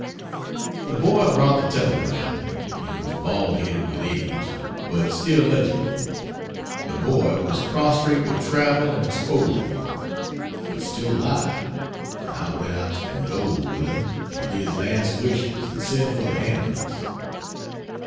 The boy brought the telegram. It was bald headed with age, but still legible. The boy was prostrate with travel and exposure, but still alive, and I went out to condole with him and get his last wishes and send for the ambulance.